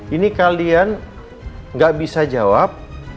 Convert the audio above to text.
ini kalian gak bisa jawab